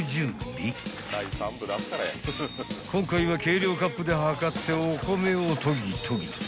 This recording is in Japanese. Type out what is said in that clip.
［今回は計量カップで量ってお米をとぎとぎ］